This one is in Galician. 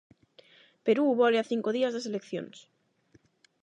Perú bole a cinco días das eleccións.